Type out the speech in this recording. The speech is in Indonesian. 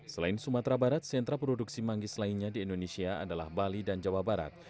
selain sumatera barat sentra produksi manggis lainnya di indonesia adalah bali dan jawa barat